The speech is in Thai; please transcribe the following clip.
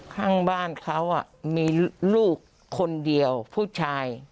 ข้างบ้านเขามีลูกคนเดียวผู้ชาย